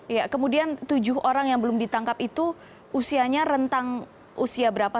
iya kemudian tujuh orang yang belum ditangkap itu usianya rentang usia berapa